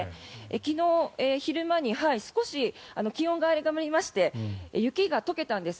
昨日昼間に少し気温が上がりまして雪が解けたんです。